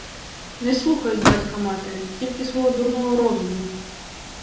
Не слухають батька-матері, тільки свого дурного розуму.